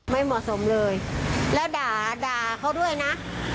ไม่เหมาะสมเลยแล้วด่าด่าเขาด้วยนะ